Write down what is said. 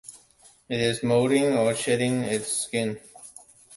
Is it molting or shedding its skin?